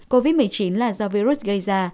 covid một mươi chín là do virus gây ra